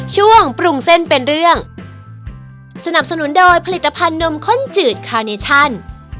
ช่วงปรุงเส้นเป็นเรื่องสนับสนุนโดยผลิตภัณฑ์นมข้นจืดคาเนชั่น